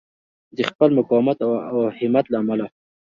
د خپل مقاومت او همت له امله.